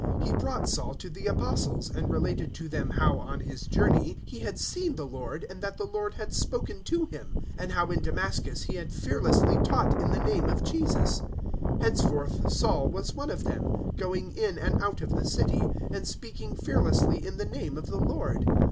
He brought Saul to the Apostles, and related to them how, on his journey, he had seen the Lord, and that the Lord had spoken to him, and how in Damascus he had fearlessly taught in the name of Jesus. 009:028 Henceforth Saul was one of them, going in and out of the city, 009:029 and speaking fearlessly in the name of the Lord.